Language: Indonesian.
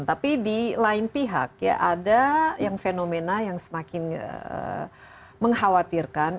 tapi di lain pihak ya ada yang fenomena yang semakin mengkhawatirkan